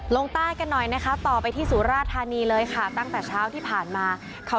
ลงใต้กันหน่อยนะคะต่อไปที่สุราธานีเลยค่ะตั้งแต่เช้าที่ผ่านมาเขา